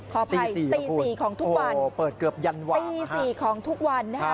ตี๔ครับคุณโอ้โฮเปิดเกือบยันหวังค่ะตี๔ของทุกวัน